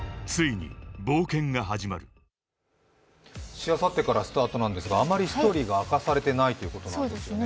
しあさってからスタートなんですが、あまりストーリーが明かされていないということなんですよね。